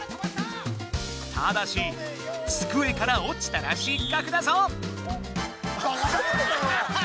ただしつくえからおちたら失格だぞ！